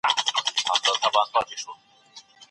د اسراف مرحله د دولت د زوال پیل دی.